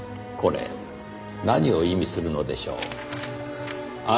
これ何を意味するのでしょう？